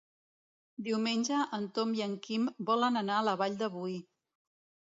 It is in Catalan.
Diumenge en Tom i en Quim volen anar a la Vall de Boí.